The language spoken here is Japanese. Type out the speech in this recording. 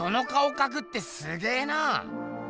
かくってすげな。